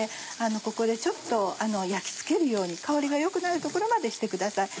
ここでちょっと焼きつけるように香りが良くなるところまでしてください。